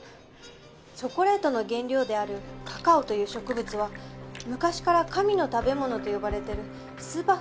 チョコレートの原料であるカカオという植物は昔から神の食べ物と呼ばれてるスーパーフードなんです。